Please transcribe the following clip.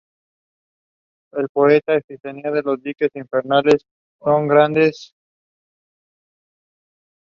El poeta enfatiza que los diques infernales no son grandes.